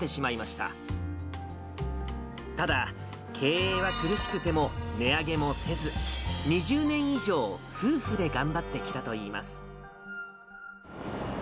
ただ、経営は苦しくても値上げもせず、２０年以上、夫婦で頑張ってきたおはようございます。